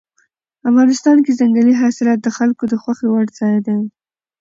افغانستان کې ځنګلي حاصلات د خلکو د خوښې وړ ځای دی.